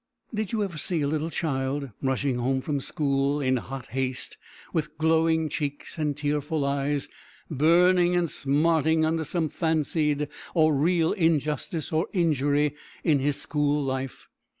Did you ever see a little child rushing home from school in hot haste, with glowing cheeks and tearful eyes, burning and smarting under some fancied or real injustice or injury in his school life?